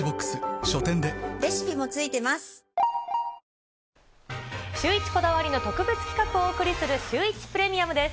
さらに、シューイチこだわりの特別企画をお送りするシューイチプレミアムです。